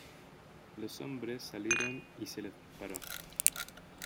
Los hombres salieron y se les disparó.